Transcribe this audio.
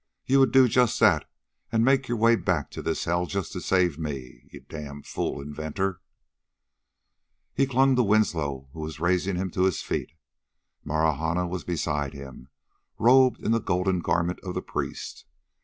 "You would do just that, and make your way back to this hell just to save me you damn fool inventor!" He clung to Winslow, who was raising him to his feet. Marahna was beside him, robed in the golden garment of the priest.